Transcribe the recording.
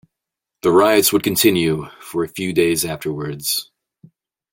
The riots would continue for a few days afterwards.